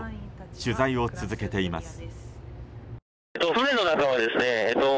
取材を続けています。